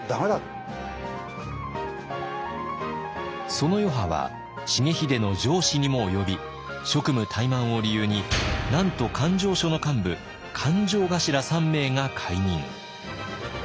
その余波は重秀の上司にも及び職務怠慢を理由になんと勘定所の幹部勘定頭３名が解任。